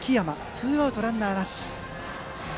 ツーアウトランナーなし。